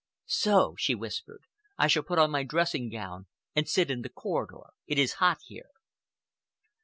"So!" she whispered. "I shall put on my dressing gown and sit in the corridor. It is hot here."